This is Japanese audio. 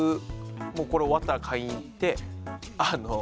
もうこれ終わったら買いに行ってあの。